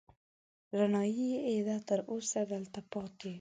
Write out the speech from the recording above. رڼايي يې ده، تر اوسه دلته پاتې